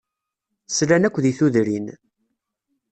Slan akk di tudrin.